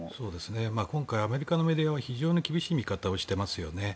今回アメリカのメディアは非常に厳しい見方をしていますよね。